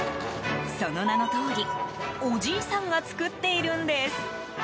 その名のとおり、おじいさんが作っているんです。